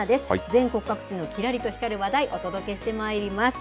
全国各地のきらりと光る話題、お届けしてまいります。